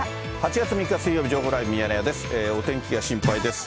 ８月３日水曜日、情報ライブミヤネ屋です。